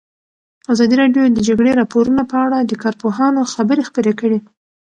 ازادي راډیو د د جګړې راپورونه په اړه د کارپوهانو خبرې خپرې کړي.